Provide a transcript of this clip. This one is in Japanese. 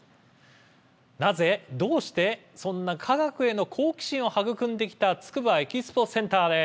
なぜ？どうして？とそんな科学への好奇心を育んできたつくばエキスポセンターです。